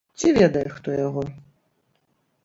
Ці ведае хто яго?